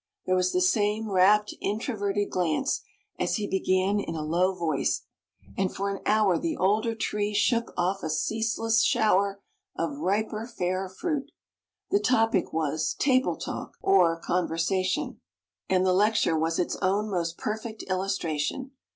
There was the same rapt introverted glance as he began in a low voice, and for an hour the older tree shook off a ceaseless shower of riper, fairer fruit. The topic was "Table Talk, or Conversation;" and the lecture was its own most perfect illustration.